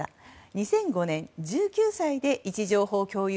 ２００５年、１９歳で位置情報共有